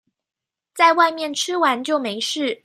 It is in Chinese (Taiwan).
在外面吃完就沒事